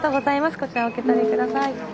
こちらお受け取り下さい。